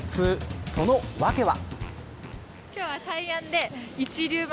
その訳は。